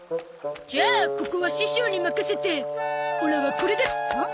じゃあここは師匠に任せてオラはこれで！